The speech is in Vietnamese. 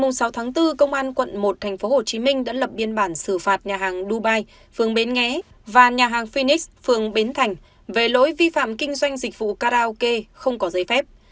ngày sáu tháng bốn công an quận một tp hcm đã lập biên bản xử phạt nhà hàng dubai phường bến nghé và nhà hàng finix phường bến thành về lỗi vi phạm kinh doanh dịch vụ karaoke không có giấy phép